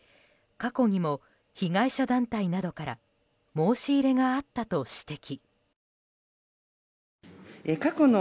過去にも被害者団体などから申し入れがあったと指摘。